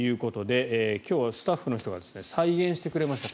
今日、スタッフの人が再現してくれました。